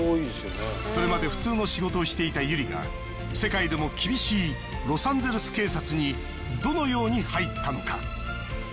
それまで普通の仕事をしていたＹＵＲＩが世界でも厳しいロサンゼルス警察にどのように入ったのか？